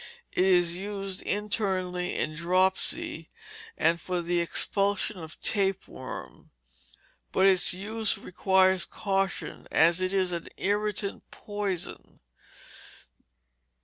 It is used internally in dropsy, and for the expulsion of tapeworm; but its use requires caution, as it is an irritant poison.